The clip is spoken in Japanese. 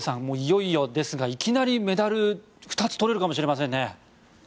もういよいよですがいきなりメダル２つ取れるかもしれませんね。